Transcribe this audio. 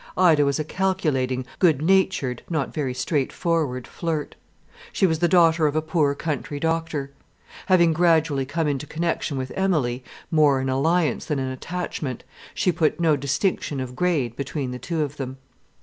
Ida was a calculating, good natured, not very straightforward flirt. She was the daughter of a poor country doctor. Having gradually come into connection with Emilie, more an alliance than an attachment, she put no distinction of grade between the two of them.